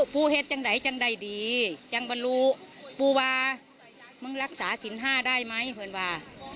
ภูเก็ตจังใดจังได้ดีจังบรรลูปูวามึงรักษาสินห้าได้ไหมเพื่อนว่า